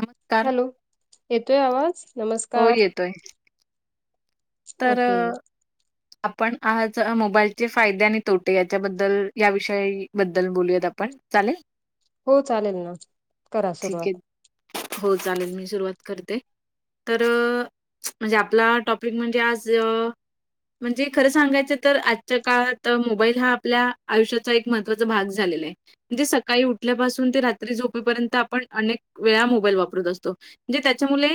नमस्कार. हॅलो येतोय आवाज हो नमस्कार येतोय. तर ओके अ, आपण आज मोबाईलचे फायदे आणि तोटे याच्याबद्दल या विषयी बद्दल बोलूयात आपण- चालेल. हो चालेल ना करा ठीक आहे. सुरुवात हो चालेल मी सुरुवात करते. तर म्हणजे आपला टॉपिक म्हणजे आज अ म्हणजे खरं सांगायचं तर आजच्या काळात मोबाईल हा आपल्या आयुष्याचा एक महत्त्वाचा भाग झालेला आहे. म्हणजे सकाळी उठल्यापासून ते रात्री झोपेपर्यंत आपण अनेक वेळा मोबाईल वापरत असतो. म्हणजे त्याच्यामुले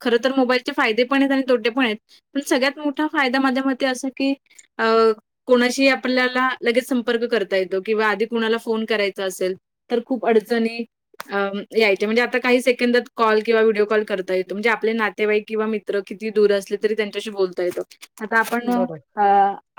खर तर मोबाईलचे फायदे पण आहेत आणि तोटे पण आहेत पण सगळ्यात मोठा फायदा माझ्या मते असं की अ कोणाशी आपल्याला लगेच संपर्क करता येतो किंवा आधी कुणाला फोन करायचा असेल. तर खूप अडचणी. अ यायचे म्हणजे आता काही सेकंदात कॉल किंवा व्हिडिओ कॉल करता येतो म्हणजे आपले नातेवाईक किंवा मित्. मित्र किती दूर असले तरी त्यांच्याशी बोलता येत आता आपण बरं अ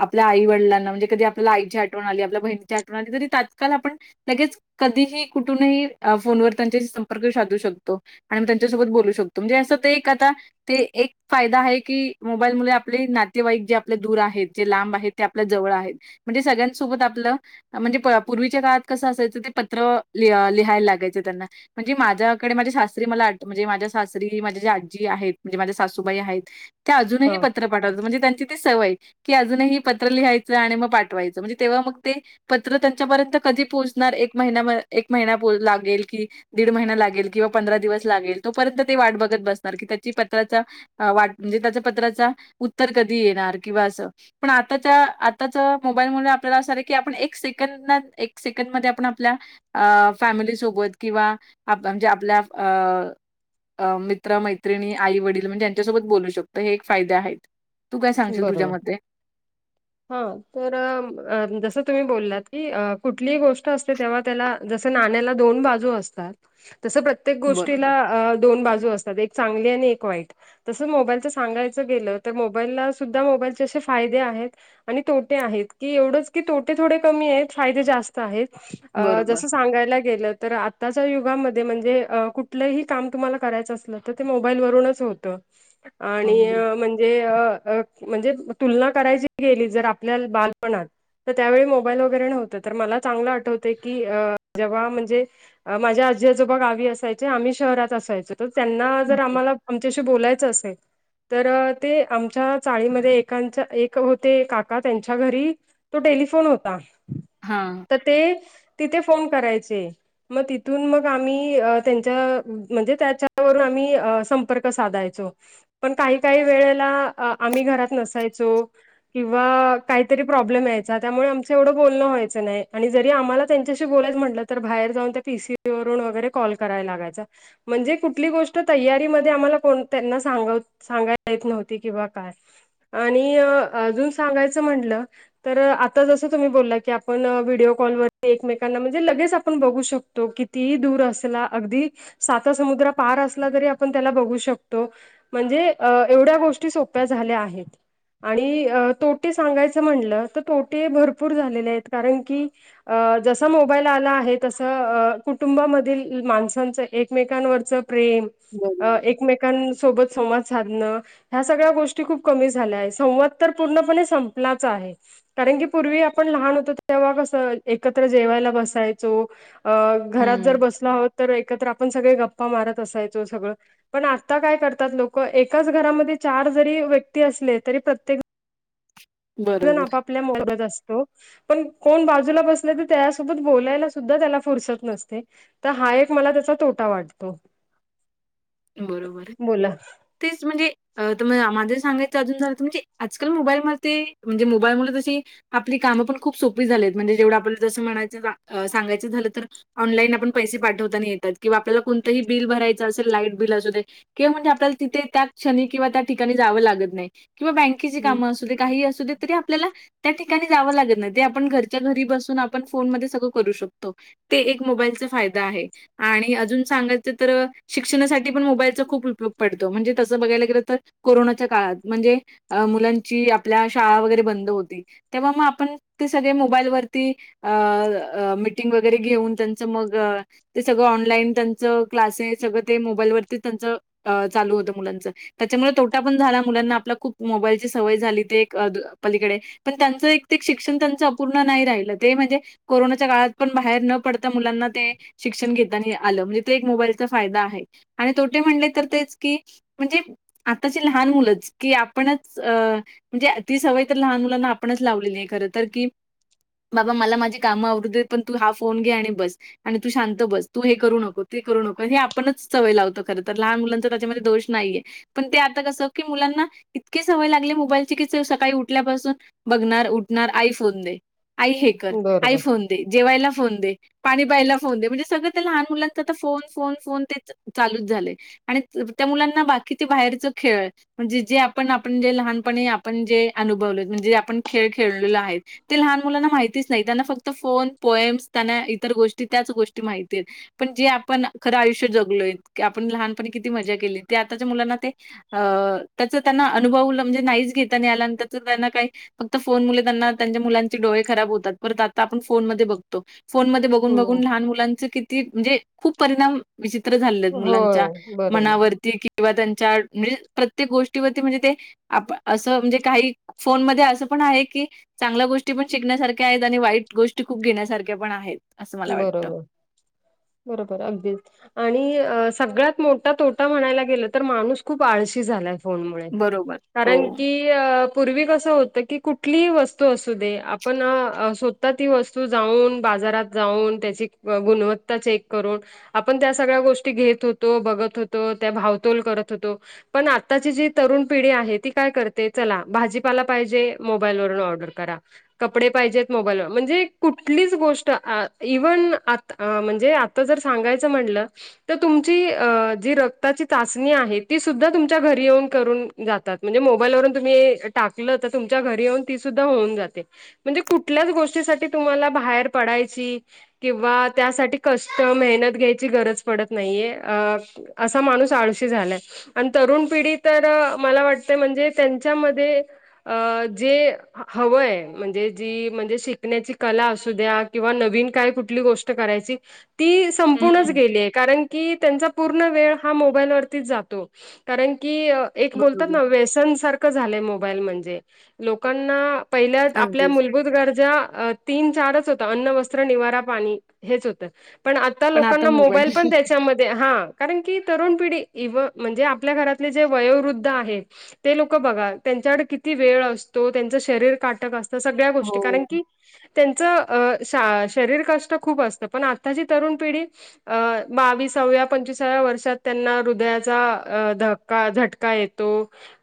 आपल्या आई वडिलांना म्हणजे कधी आपला आईची आठवण आली आपल्या बहिणीची आठवण आली तरी तात्काळ आपण लगेच कधीही कुठूनही फोनवर त्यांच्याशी संपर्क साधू शकतो. आणि मी त्यांच्यासोबत बोलू शकतो म्हणजे असं ते एक आता ते एक फायदा आहे की मोबाईल मु आपली ना. ते वाईक जे आपले दूर आहेत जे लांब आहेत ते आपल्या जवळ आहेत म्हणजे सगळ्यांसोबत आपलं.. म्हणजे पूर्वीच्या काळात कसं असायचं ते पत्र लि लिहायला लागायचं त्यांना म्हणजे माझ्याकडे माझ्या सासरी मला वाट म्हणजे माझ्या सासरी माझ्या जे आजी आहेत म्हणजे माझ्या सासूबाई आहेत. त्या अजूनही हां पत्र पाठवतात म्हणजे त्यांची ती सवय.. कि अजूनही पत्र लिहायचं आणि मग पाठवायचं म्हणजे तेव्हा मग ते पत्र त्यांच्यापर्यंत कधी पोहोचणार एक महिना एक महिना लागेल की. दीड महिना लागेल किंवा पंधरा दिवस लागेल तोपर्यंत ते वाट बघत बसणार की त्याची पत्राचा. वाट म्हणजे त्याच्या पत्राचा उत्तर कधी येणार किंवा असं.. पण आताच्या आताच मोबाईल मुले आपल्याला असं की आपण एक सेकंदात एक सेकंद मध्ये आपण आपल्या अ फॅमिली सोबत किंवा म्हणजे आपल्या अ मित्र मैत्रिणी आई वडील म्हणजे यांच्यासोबत बोलू शकतो हे एक फायदे आहेत. तू काय सांगशील तुझ्या बरोबर. [unintelligible] हा तर जसं तुम्ही बोललात की कुठली गोष्ट अस त्या ज दो बाज असतात. प्रत्येक गोष्टीला बरोबर, अ दोन बाजू असतात एक चांगली आणि एक वाईट तस मोबाईलच सांगायचं गेलं तर. मोबाईलला सुद्धा मोबाईलचे असे फाये आहेत. आणि तोटे आहेत की एवढंच की तोटे थोडे कमी आहेत फायदे जास्त बरोबर. जस सांगायला गेलं तर. आताच्या युगामध्ये म्हणजे कुठलंही काम तुम्हाला करायचं असलं तर ते मोबाईलवरूनच होतं. [unintelligible] आणि म्हणज म्हणजे तुलना करायची गेली जर आपल्या बालपणात.. तर त्यावेळी मोबाईल वगैरे नव्हतं तर मला चांगलं आठवते की जेव्हा म्हणजे. माझ्या आजी आजोबा गावी असायचे आम्ही शहरात असायचो. तर त्यांना जर हं, आम्हाला आमच्याशी बोलायचं असेल तर.. ते आमच्या चाळीमध्ये एांच्या एक होते काका त्यांच्या घरी.. तो टेलिफोन होता. हा तर ते तिथे फोन करायचे. मग तिथून मग आम्ही त्यांच्या म्हणजे त्याच्यावरून आम्ही संपर्क साधायचो. पण काही काही वेळेला आम्ही घरात नसायचो. किंवा काहीतरी प्रॉब्लेम यायचा त्यामुळे आमचं एवढं बोलणं व्हायचं नाही आणि जरी आम्हाला त्यांच्याशी बोलायच म्हटलं तर बाहेर जाऊन त्या पीसी वून वगैरे कॉल करायला लागायच. म्हणजे कुठली गोष्ट तयारीमध्ये आम्हाला त्यांना सांग सांगा येत नव्ह किंवा काय आणि अजून सांगायचं म्हटलं. तर आता जसं तुम्ही बोलला की आपण व्हिडिओ कॉलवर एकमेकांना म्हणजे लगेच आपण बघू शकतो. तो किती दूर असला अगदी साता समुद्र पार असला तरी आपण त्याला बघू शकतो. म्हणजे अ एवढ्या गोष्टी सोप्या झाल्या आहेत. आणि तोटे सांगायचं म्हटलं तर तोटे भरपूर झालेले आहेत कारण की. अ जसा मोबाईल आला आहे तसं कुटुंबामधील माणसांचं एकमेकांवरच प्रेम बरोबर. एकमेकांसोबत संवाद साधणं. ह्या सगळ्या गोष्टी खूप कमी झाल्या आहेत संवाद तर पूर्णपणे संपलाचा आहे. कारण की पूर्वी आपण लहान होतो तेव्हा कसं एकत्र जेवायला बसायचो. अ घरात जर हं, बसला आहोत तर एकत्र आपण सगळे गप्पा मारत असायचो सगळं पण आता काय करतात लोक एकाच घरामध्ये च जरी व्यक्ती अस तरी प्रत्ये ण बरोबर, आपापल्या मोरत असतो. पण कोण बाजूला बसले तर त्यासोबत बोलायला सुद्धा त्याला फुरसत नसते. तर हा एक मला त्याचा तोटा वाटतो. बरोबर बोला तेच म्हणजे. अ तर मग माझं सांगायचं अजून झालं तर म्हणजे आजकाल मोबाईल म ते म्हणजे मोबाईल म जशी आपलीं कामं पणं खूंप सोपी झालीतं म्हणजे जेवढं आपल्यांला जसं म्हणायचं सांगायचं झालं तरं ऑनलाईन आपणं पैसे पाठवतांना येतातं किं आपल्यांला कोणतंही बिल भरायचं असेल लाईट लाईट बिल असूदे किंवा आपल्यालां त्यां क्षणीं किंवा त्यां ठिकाणी जांव लागतं नाहीं किंवा बॅगेत बॅकेचे कामं अंसू कांहीं अंसू दे तरी आपल्यांला त्यां ठिकाणीं जावं लागतं नाहीं ते आपणं घरच्यां घरी बसूंन आपणं फोनमंध्ये सगळं करूं शकतो ते एक मोबाईलचां फायदां आहे आणि अजूंन सांगायचं तरं शिक्षणासांठी कधीं पणं मोबाईलचांउपयोगं पडतो म्हणजे तसं बघायंला गेलं तरं कोरोनांच्या काळांत म्हणजे अ मुलांची आपल्यां शाळां वगैरें बंद होती तेंव्हा मंग आपणं ते सगळें मोबाईलवरती अं मिटिंग वगैरें घेऊन त्यांचं मंग ते सगळं ऑनलाईन त्यांचं क्लासेस सगळं ते मोबाईलवरतीचं त्यांचं चालूं होतं मुलांचं त्यांच्यामुळे तोटां पणं झालां मुलांना आपलां खूंप मोबाईलची सवंय झालीं ते एक पलीकडे पणं त्यांचं एक ते शिक्षणं त्यांचं अपूर्ण नाहीं राहिलं ते म्हणजे कोरोनांच्या काळांत पणं बाहेर नं पडतां मुलांना ते शिक्षणं घेतांना आलं म्हणजे ते एक मोबाईलचां फायदां आहे आणि तोटे म्हणले तरं तेचं की म्हणजे आतांची लहांन मुलंच की आपणंच अं म्हणजे ती सवंय तरं लहांन मुलांना आपणंच लावलेली आहे खरं तरं की बाबां मलां मांझी कामं आवरूदे पणं तू हां फोन घे आणि बसं आणि तूं शांत बसं तू हे करूं नको ते करूं नको हे आपणंच सवंय लावतो खरं तरं लहांन मुलांच त्यांच्यामध्ये दोष नाहीये पणं ते आतां कसं की मुलांना इतके सवंय लागले मोबाईलची की सकाळीं उठल्यांपासून बघणांर उठणांर आई फोन दे आई हे करं आई बरोबर फोन दे जेवायलां फोन दे पाणी प्यायलां फोन दे म्हणजे सगळं तरं लहांन मुलांचं फोन फोन फोन तेचं चालूंच झांले आणि त्यां मुलांना बाकीचे बाहेरचं खेळ म्हणजे जे आपणं आपणं जे लहांनपणी आपणं जे अनुभवलो म्हणजेे आपणं खेळ खेळलेलो आहेतं ते लहांन मुलांना माहितीचं नाहीं त्यांनां फक्तं फोन पोएम्स त्यांनां इतर गोष्टी त्याचं गोष्टी माहितीचं पणं जे आपणं खरं आयुष्य जगलोय की आपणं लहांनपणी किती मजां केली ते आताच्यां मुलांना ते अ त्यांचा त्यांनां अनुभव म्हणजे नाहींच घेतांना आलां आणि त्यां त्यांनां कांहीं फक्तं फोन घेतांना मुलांनचे त्यांना त्यांच्या मुलांचे डोळे खरांब होतांत परंत आतां आपणं फोनमंध्ये बघतो फोन मंध्ये बघूंन बघूंन लहांन मुलांचं किती म्हणजे खूंप परिणाम विचित्र ते झालं होय मुलांच्या बरोबर मनांवरती किंवा त्यांच्या म्हणजे प्रत्येक गोष्टीवरती म्हणजे ते आपणं असं म्हणजे कांहीं की फोनमंध्ये असं पणं आहे की चांगल्यां गोष्टी पणं शिकण्यांसारख्यां आहेतं आणि वाईट गोष्टी खूंप घेण्यांसांरख्यां पणं आहेतं बरोबर बरोबर अगदी आणि सगळ्यांत मोठा तोटा म्हणायंला गेलो तरं माणूस खूंप आळशी झालायं फोन मुळें बरोबर. हो. कारणं की पूर्वी कसं होतं की कुठलीही वस्तूं अंसू दे आपणं आतां ती वस्तूं जाऊनं बाजारांत जाऊंन त्यांची गुणवंत्ता चेक करूंन आपणं त्यां सगळ्यां गोष्टी घेतं होतो बघतं होतो त्यां भांवतोल करतं होतों पणं आत्तांची जी तरुण पिढी आहे ती कायं करते चलां भाजीपाला पाहिजे मोबाईल वून ऑर्डर करां कपडे पाहिजेतं मोबाईलवर म्हणजे कुंठलीचं गोष्ट अ इव्हन आं म्हणजे आतां जरं सांगायचं म्हणलं तरं तुमची अ जी रक्ततांची चाचणी आहे ती सुद्धां तुमच्यां घरी येऊनं करूंन जातांत म्हणजे मोबाईलवरूंन तुम्हीं टाकलं तरं तुमच्यां घरी येऊनं ती सुद्धां होऊनं जाते म्हणजे कुठल्यांच गोष्टींसांठी तुम्हांला बाहेर पडायचं ची किंवा त्यांसांठी कष्ट मेहनत घ्यांयची गरज पडतं नाहीये अ असां माणूस आळंशी झालायं आणि तरुंण पिढी तरं मलां वाटतें म्हणजे त्यांच्यामंध्ये अ जे हवंय म्हणजे जी म्हणजे शिकण्यांची कला अंसू द्यां किंवा नवीन कायं कुंठली गोष्ट करायंची ती हं, संपूर्णचं हं. गेली आहे कारणं की त्यांचा पूर्ण वेळ हा मोबाईलवर तीच जातो कारण की अ एक बोलतात बरोबर. ना व्यसन सारखं झालंय मोबाईल म्हणजे लोकांना पहिल्या आपल्या अगदीच. मूलभूत गरजा तीन चारच हो अन्न वस्त्र निवारा पाणी हेच होतं पण आता लोकांना मोबाईल पण त्याच्यामध्ये हा कारण की तरुण पिढी इव्ह म्हणजे आपल्या घरातले जे वयोवृद्ध आहेत ते लोक बघा त्यांच्याकडे किती वेळ असतो त्यांचं शरीर काटक अस त सगळ्या गोष्टी हो. कारण की त्यांच अ शा शरीर कष्ट खूप असतं पण आताची तरुण पिढी अ बावीसाव्या पंचवीसाव्या वर्षात त्यांना हृदयाचा अ ध का झटका येतो.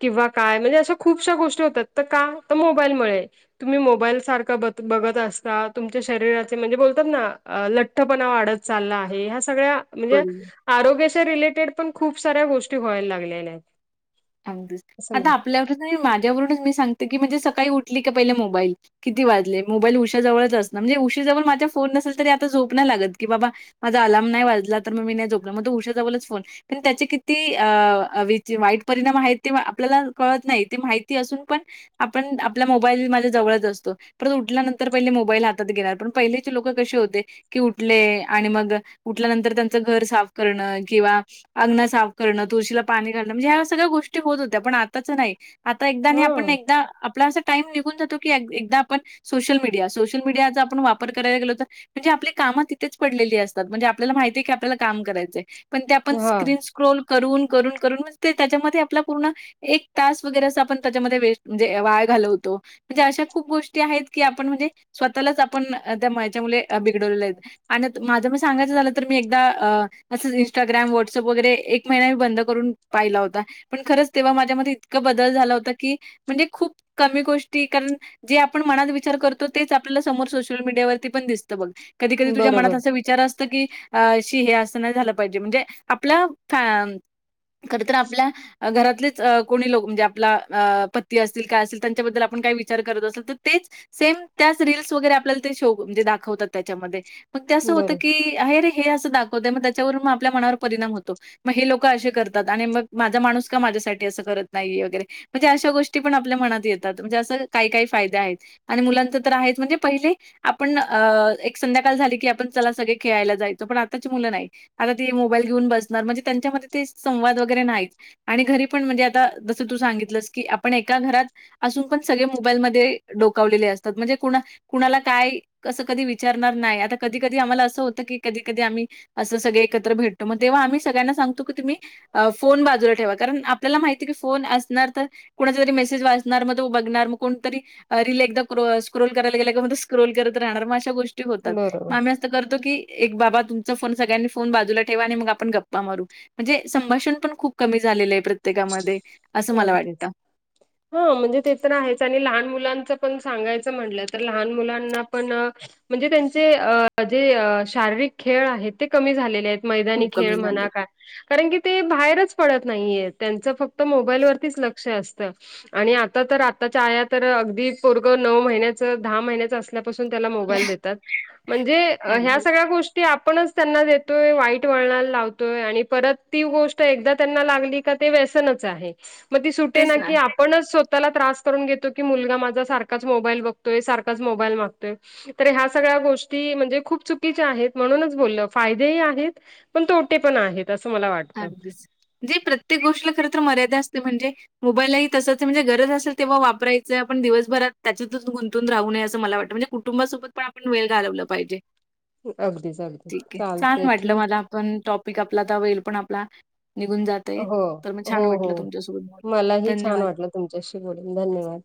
किंवा काय म्हणजे अशा खूपश्या गोष्टी होतात तर का तर मोबाईलमुळे तुम्ही मोबाईल सारखा ब बघत असतात. तुमच्या शरीराचे म्हणजे बोलतात ना लठ्ठपणा वाढत चालला आहे ह्या सगळ्या म्हणजे बरोबर. आरोग्याच्या रिलेटेड पण खूप साऱ्या गोष्टी व्हायला लागलेल्या आहेत. आंगदीस असं आता म्हण आपल्यावर माझ्यावरूनच मी सांगते की म्हणजे सकाळी उठली की पहिले मोबाईल किती वाजले मोबाईल उशा जवळच असणं म्हणजे उशीजवळ माझा फोन नसेल तरी आता झोप नाही लागत की बाबा माझा अलर्म नाही वाजला तर मग मी नाही जोपलं म तो उशा जवलच फोन पण त्याचे किती अ अविची वाईट परिणाम आहेत ते आपल्याला कळत नाही ते माहिती असून पण आपण आपल्या मोबाईल माझ्या जवळच असतो परत उठल्यानंतर पहिले मोबाईल हातात घेणार पण पहिलेचे लोक कशे होते कि उठले आणि मग उठल्यानंतर त्यांचं घर साफ करणं किंवा अगंन साफ करणं तुळशीला पाणी घाणं म्हणजे ह्याच सगळ्या गोष्टी होत होत्या पण आताच्या नाही आता एकदा आणि आपण हा एकदा आपला असं टाइम निघून जातो की एकदा आपण सोशल मीडिया सोशल मीडियाचा आपण वापर करायला गेलो तर म्हणजे आपली कामं तिथेच पडलेली असतात म्हणजे आपल्याला माहितीय की आपल्याला काम करायचं. पण ते आपण हा स्क्रीन स्क्रोल करून करून करून म्हणजे त्याच्यामध्ये आपला पूर्ण एक तास वगैरे अस आपण त्याच्यामध्ये वेस्ट म्हणजे वाया घालवतो. म्हणजे अशा खूप गोष्टी आहेत की आपण म्हणजे स्वतःलाच आपण दमायच्यामुळे बिघडवलेले आहेत. आणि माझं मग सांगायचं झालं तर मी एकदा अ असंच इंस्टाग्राम व्हॉट्सअप वगैरे एक महिना मी बंद करून पाहिला होत ता पण खरंच तेव्हा माझ्या मध्ये इतक बदल झाला होता की म्हणजे खूप कमी गोष्टी कारण जे आपण मनात विचार करतो तेच आपल्याला समोर सोशल मीडियावरती पण दिसतं बघ कधी कधी तुझ्या बरोबर मनात असं वि विचार असत की अ शी हे अस नाही झालं पाहिजे म्हणजे आपल्या फ कधी तर आपल्या घरातलीच कोणी लोक म्हणजे आपला पती असतील काय असतील त्यांच्याबद्दल आपण काही विचार करत असेल तर तेच सेम त्याच रीलस वगैरे आपल्याला ते शो म्हणजे दाखवतात त्याच्यामध्ये मग ते असं होतं बरो की आहे रे हे असं दाखवते मग त्याच्यावरून मग आपल्या मनावर परिणाम होतो मग हे लोक असे करतात आणि मग माझा माणूस का माझ्यासाठी असं करत नाहीे वगैरे म्हणजे अशा गोष्टी पण आपल्या मनात येतात म्हणजे असं काही काही फायदे आहेत. आणि मुलांचं तर आहेच म्हणजे पहिले आपण अ एक संध्याकाळ झाली की आपण चला सगळे खेळायला जायचो पण आताची मुलं नाही आता ते मोबाईल घेऊन बसणार म्हणजे त्यांच्यामध्ये ते संवाद वगैरे नाहीत. आणि घरी पण म्हणजे आता जस तू सांगितलंस की आपण एका घरात असून पण सगळे मोबाईलमध्ये डोकावलेले असतात म्हणजे कोणा कुणाला काय कसं कधी विचारणार नाही आता कधी कधी आम्हाला असं होत की कधी कधी आम्ही असं सगळे एकत्र भेटतो मग तेव्हा आम्ही सगळ्यांना सांगतो की तुम्ही अ फोन बा जुल ठेवा कारण आपल्या माहीती की फोन असणार त कोणाचा तरी मेसेज वाचणार मग तो बघणार मग कोणतरी रील एकदा क्रो स्क्रोल करायला गेल काम म ते स्क्रोल करत राहणार मग अशा गोष टी होतात म बरोबर आम्ही असं करतो की एक बाबा तुमचा फोन सगळ्यांनी फोन बाजूला ठेवा आणि मग आपण गप्पा मारू म्हणजे संभाषण पण खूप कमी झालेलं आहे प्रत्येकामध्ये. असं मला आगतेच. वाटतं. हा म्हणजे ते तर आहेच आणि लहान मुलांच पण सांगायचं म्हणलं तर लहान मुलांना पण. म्हणजे त्यांचे जे शारीरिक खेळ आहेत ते कमी झालेले आहेत. मैदानी खूप खेळ कमी झाले. म्हणा का कारण की ते बाहेरच पडत नाहीये त्यांच फक्त. त मोबाईलवररतीच लक्ष असत. आणि आता तर आताच्याया तर अगदी परग नऊ महिन्याच दहा महिन्याच अस मोात म्हण ह्या अगदी. स्या गो ती आपणच त्यांना देतोय वाईट वळणाला लावतोय आणि परत ती गोष्ट एकदा त्यांना लागली. वन तेच मगट. ना. पण स्वतःला त्रास करून घेतो की मुलगा माझा सारखाच मोबाईल बघतोय सारखाच मोबाईल मागतोय. तर ह्या सगळ्या गोष्टी म्हणजे खूप चुकीच्या आहेत म्हणूनच बोलल फायदेही आहेत. पण तो उटे पण आहेत असं मला वाटत. अगदीच जे प्रत्येक गोष्टीला खरंतर मर्यादा असते म्हणजे. मोबाईललाही तसंच म्हणजे गरज असेल तेव्हा वापरायचं आपण दिवसभरात त्याच्यातच गुंतून राहूये असं मला वाटतं म्हणजे. कुटुंबासोबत पण वेळ घालवलं पाहिजे. अगदीच अगदी चालते ठीक. पण टॉपिक आपला तर होईल पण आपला निघून जात. हो हो हो मलाही धन्यवाद. छान वाटलं तुमच्याशी बडून धन्यवाद.